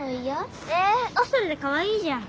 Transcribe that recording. えおそろでかわいいじゃん！